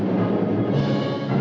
lagu kebangsaan indonesia raya